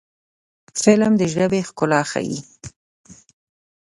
فلم د ژبې ښکلا ښيي